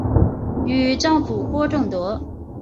与丈夫郭政德。